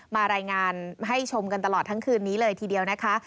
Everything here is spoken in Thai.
มารายงานให้ชมกันตลอดทั้งคืนนี้เลยทีเดียวนะคะ